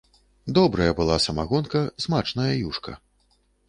Добрая была самагонка, смачная юшка!